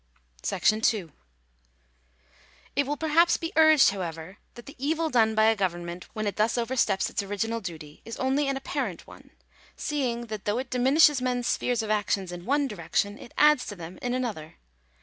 by Google THE LIMIT OF STATE DCTY. 879 §2. It mil perhaps be urged, however, that the evil done by a government, when it thus oversteps its original duty, is only an apparent one ; seeing that though it diminishes mens spheres of action in one direction, it adds to them in another.